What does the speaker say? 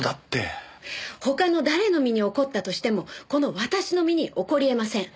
他の誰の身に起こったとしてもこの私の身に起こりえません。